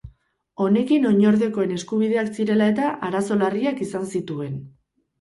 Honekin oinordekoen eskubideak zirela-eta arazo larriak izan zituen.